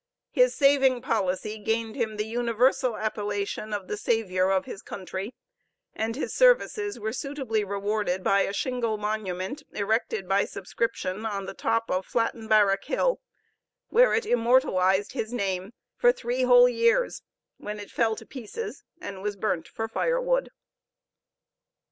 His saving policy gained him the universal appellation of the Savior of his Country, and his services were suitably rewarded by a shingle monument, erected by subscription on the top of Flattenbarrack Hill, where it immortalized his name for three whole years, when it fell to pieces and was burnt for firewood.